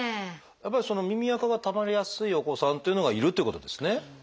やっぱり耳あかがたまりやすいお子さんというのがいるっていうことですね。